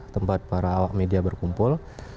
tempat para awak media berkumpul